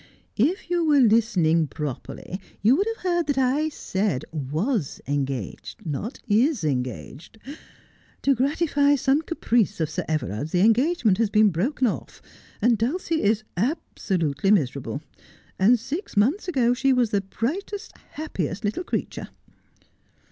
' If you were listening properly you would have heard that I said was engaged, not is engaged. To gratify some caprice of Sir Everard's the engagement has been broken off, and Dulcie is absolutely miserable. And six months ago she was the brightest, happiest little creature.'